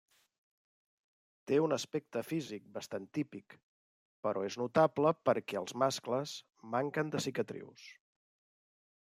Té un aspecte físic bastant típic, però és notable perquè els mascles manquen de cicatrius.